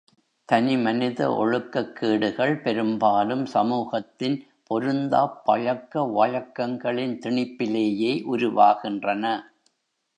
தனி மனித ஒழுக்கக் கேடுகள் பெரும்பாலும் சமூகத்தின் பொருந்தாப் பழக்க வழக்கங்களின் திணிப்பிலேயே உருவாகின்றன.